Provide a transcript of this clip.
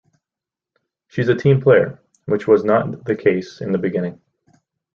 She's a team player, which was not the case in the beginning.